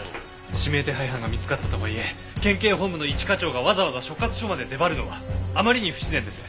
指名手配犯が見つかったとはいえ県警本部の一課長がわざわざ所轄署まで出張るのはあまりに不自然です。